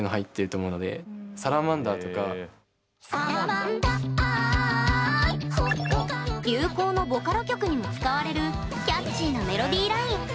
なんか割と流行のボカロ曲にも使われるキャッチーなメロディーライン。